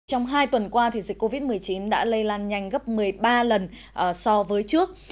trong hai tuần qua dịch covid một mươi chín đã lây lan nhanh gấp một mươi ba lần so với trước